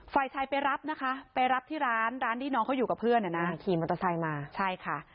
ไฟชัยไปรับนะคะไปรับที่ร้านร้านที่น้องเขาอยู่กับเพื่อนอะน่ะคีมมัตตาไซน์มาใช่ค่ะ